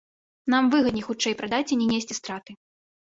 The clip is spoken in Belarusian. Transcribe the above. Нам выгадней хутчэй прадаць і не несці страты.